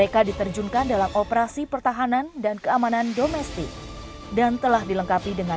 kerjaannya apa sih bang